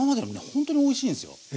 ほんとにおいしいんすよ。